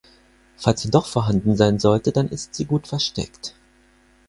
Falls sie doch vorhanden sein sollte, dann ist sie gut versteckt.